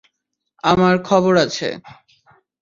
আমার খবর আছে।